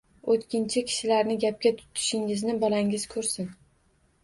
O‘tkinchi kishilarni gapga tutishingizni bolangiz ko‘rsin